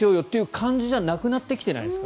感じじゃなくなってきてないですか？